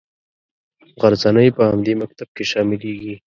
غرڅنۍ په همدې مکتب کې شاملیږي.